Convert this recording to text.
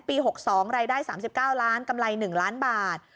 ๖๒รายได้๓๙ล้านกำไร๑ล้านบาท